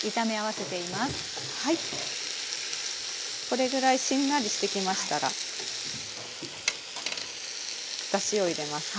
これぐらいしんなりしてきましたらだしを入れます。